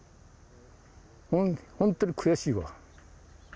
本当に悔しいわ。